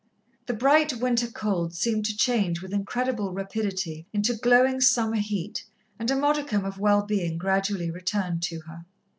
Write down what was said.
The bright winter cold seemed to change with incredible rapidity into glowing summer heat, and a modicum of well being gradually returned to her.